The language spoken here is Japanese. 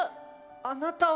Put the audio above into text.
あなたは。